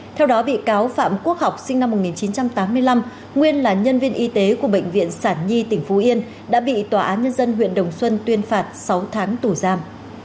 theo đó bị cáo phạm quốc học sinh năm một nghìn chín trăm tám mươi năm nguyên là nhân viên y tế của bệnh viện sản nhi tỉnh phú yên đã bị tòa án nhân dân huyện đồng xuân tuyên phạt sáu tháng tù giam